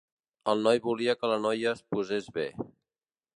El noi volia que la noia es posés bé.